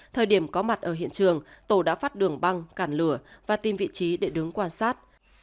thời điểm có mặt ở hiện trường tổ đã phát đường băng cản lửa và tìm vị trí để đứng quan sát